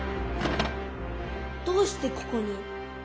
どうしてここに？